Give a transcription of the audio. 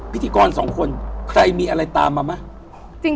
พิธีกรสองคนใครมีอะไรตามมาไหม